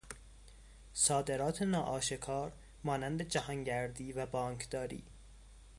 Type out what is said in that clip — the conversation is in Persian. صادرات ناآشکار مانند جهانگردی و بانکداری